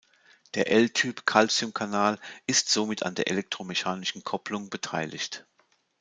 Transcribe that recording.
Der L-Typ-Calciumkanal ist somit an der elektromechanischen Kopplung beteiligt.